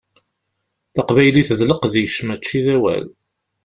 Taqbaylit d leqdic mačči d awal.